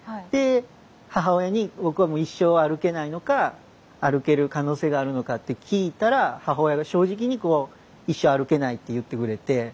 で母親に僕はもう一生歩けないのか歩ける可能性があるのかって聞いたら母親が正直にこう「一生歩けない」って言ってくれて。